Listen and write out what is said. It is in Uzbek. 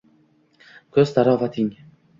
Kuz tarovating